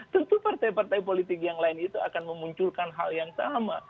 tentu partai partai politik yang lain itu akan memunculkan hal yang sama